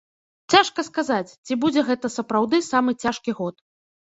Цяжка сказаць, ці будзе гэта сапраўды самы цяжкі год.